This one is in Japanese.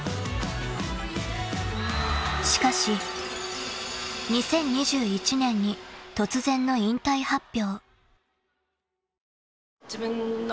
［しかし２０２１年に突然の引退発表］